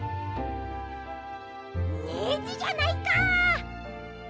ネジじゃないか。